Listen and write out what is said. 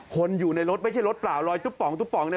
คนอยู่ในรถไม่ใช่รถเปล่าลอยทุบป่องทุบป่อง